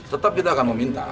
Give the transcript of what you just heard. tetap kita akan meminta